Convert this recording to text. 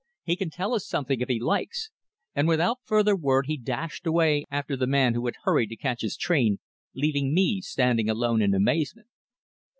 He can tell us something if he likes," and without further word he dashed away after the man who had hurried to catch his train, leaving me standing alone in amazement.